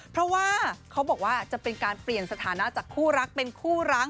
เพราะว่าเขาบอกว่าจะเป็นการเปลี่ยนสถานะจากคู่รักเป็นคู่ร้าง